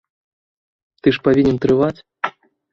Ты ж павінен трываць.